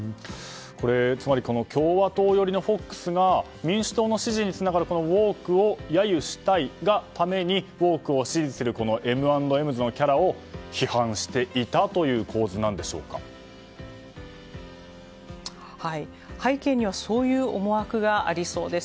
つまり、共和党寄りのＦＯＸが民主党の支持につながるＷＯＫＥを揶揄したいがためにＷＯＫＥを支持するＭ＆Ｍ’ｓのキャラを批判していたという背景にはそういう思惑がありそうです。